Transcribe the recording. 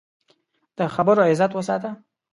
د خبرو عزت وساته